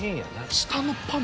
下のパン